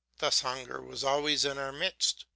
Thus hunger was always in our midst.